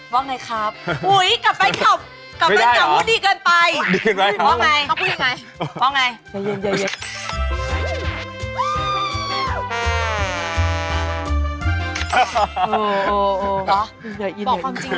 บอกความจริงดีหรอ